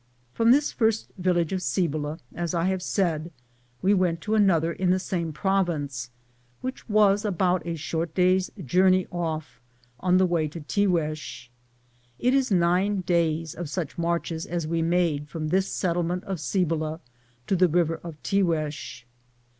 from this first village of Cibola, as I have said, we went to another in the same prov ince, which was about a short day's journey off, on the way to Tihuei. It is nine days, of such marches as we made, from this set tlement of Cibola to the river of Tihuex.